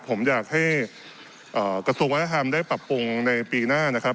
ผมอยากให้กระทรวงวัฒนธรรมได้ปรับปรุงในปีหน้านะครับ